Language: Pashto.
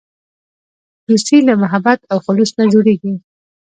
دوستي له محبت او خلوص نه جوړیږي.